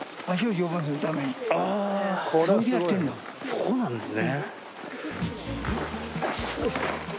そうなんですね！